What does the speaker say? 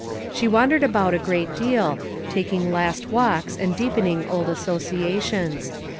She wandered about a great deal, taking last walks and deepening old associations.